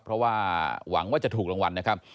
เพราะว่าหวังว่าจะถูกรางวัลนะครับ